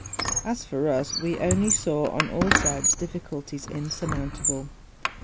As for us, we only saw on all sides difficulties insurmountable.